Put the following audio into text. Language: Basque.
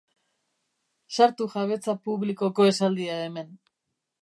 Sartu jabetza publikoko esaldia hemen